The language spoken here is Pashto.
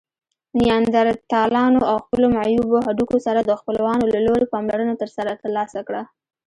نیاندرتالانو له خپلو معیوبو هډوکو سره د خپلوانو له لوري پاملرنه ترلاسه کړه.